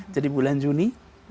jadi bulan juni